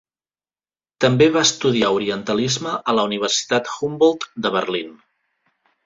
També va estudiar orientalisme a la Universitat Humboldt de Berlín.